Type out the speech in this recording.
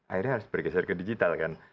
akhirnya harus bergeser ke digital kan